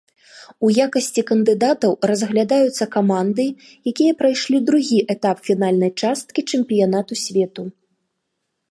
У якасці кандыдатаў разглядаюцца каманды, якія прайшлі другі этап фінальнай часткі чэмпіянату свету.